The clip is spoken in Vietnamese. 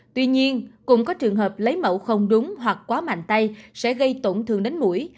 tuy nhiên cũng có trường hợp lấy mẫu không đúng hoặc quá mạnh tay sẽ gây tổn thương đến mũi